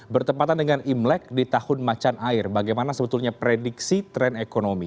bertempatan dengan imlek di tahun macan air bagaimana sebetulnya prediksi tren ekonomi